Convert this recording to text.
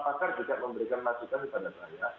pakar juga memberikan masukan kepada saya